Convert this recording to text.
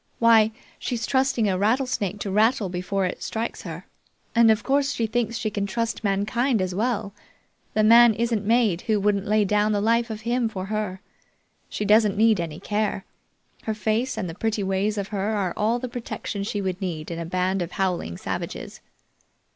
"Why, she's trusting a rattlesnake to rattle before it strikes her, and of course, she thinks she can trust mankind as well. The man isn't made who wouldn't lay down the life of him for her. She doesn't need any care. Her face and the pretty ways of her are all the protection she would need in a band of howling savages."